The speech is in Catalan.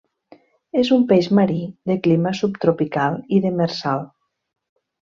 És un peix marí, de clima subtropical i demersal.